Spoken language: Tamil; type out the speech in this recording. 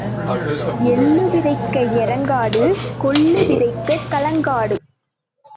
எள்ளு விதைக்க எறங்காடு கொள்ளு விதைக்கக் கல்லங்காடு.